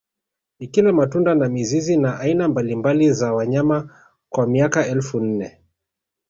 Ikila matunda na mizizi na aina mbalimbali za wanyama kwa miaka elfu nne